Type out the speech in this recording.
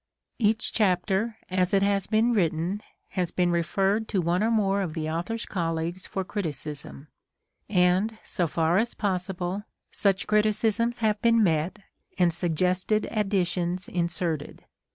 Each chapter as it has been written has been referred to one or more of the author's colleagues for criticism, and, so far as possible, such criticisms have been met and suggested additions inserted.